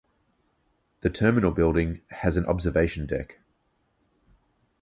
The terminal building has an observation deck.